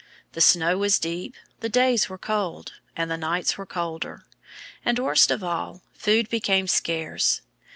The snow was deep. The days were cold. And the nights were colder. And, worst of all, food became scarce.